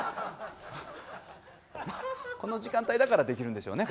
この時間帯だからできるんでしょうね